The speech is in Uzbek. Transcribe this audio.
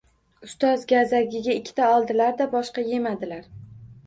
Ustoz gazagiga ikkita oldilar-da boshqa yemadilar.